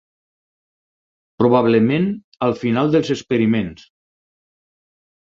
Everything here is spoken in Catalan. Probablement al final dels experiments.